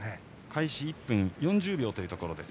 開始１分４０秒のところ。